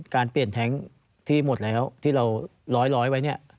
การเปลี่ยนแท้งที่หมดแล้วที่เราร้อยไว้เนี่ย